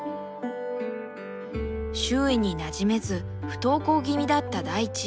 周囲になじめず不登校気味だったダイチ。